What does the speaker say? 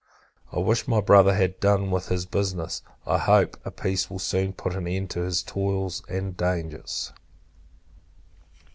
I wish my Brother had done with this business. I hope, a peace will soon put an end to his toils and dangers.